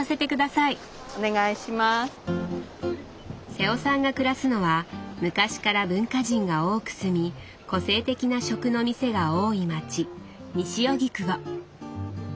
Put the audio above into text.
瀬尾さんが暮らすのは昔から文化人が多く住み個性的な食の店が多い街西荻窪。